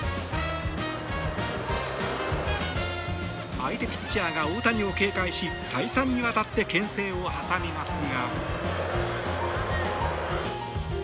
相手ピッチャーが大谷を警戒し再三にわたって牽制を挟みますが。